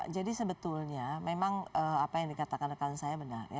jadi sebetulnya memang apa yang dikatakan rakan saya benar